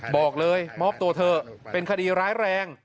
บอกเลยมอบตัวเถอะเป็นคดีร้ายแรง